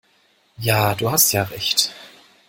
Ja, du hast ja Recht!